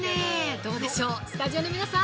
どうでしょう、スタジオの皆さん